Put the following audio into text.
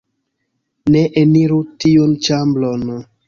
Ne eniru tiun ĉambron...